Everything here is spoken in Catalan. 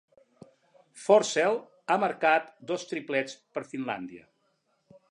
Forssell ha marcat dos triplets per Finlàndia.